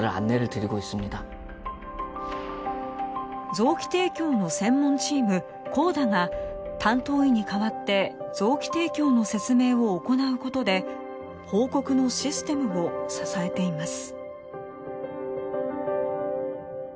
臓器提供の専門チームＫＯＤＡが担当医に代わって臓器提供の説明を行うことで報告のシステムを支えています。